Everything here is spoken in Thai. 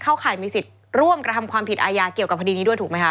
ข่ายมีสิทธิ์ร่วมกระทำความผิดอายาเกี่ยวกับคดีนี้ด้วยถูกไหมคะ